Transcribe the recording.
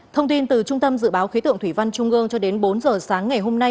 thông tin từ trung tâm dự báo khí tượng thủy văn trung ương cho đến bốn giờ sáng ngày hôm nay